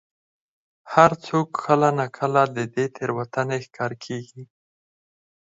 هر څوک کله نا کله د دې تېروتنې ښکار کېږي.